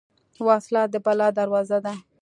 وسله د بلا دروازه ده